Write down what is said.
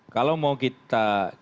kalau mau kita